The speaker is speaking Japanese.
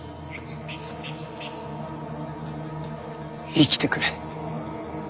生きてくれ。